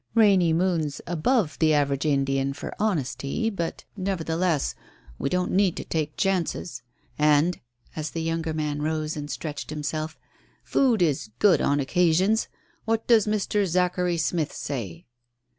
"Rainy Moon's above the average Indian for honesty, but, nevertheless, we don't need to take chances. And," as the younger man rose and stretched himself, "food is good on occasions. What does Mr. Zachary Smith say?"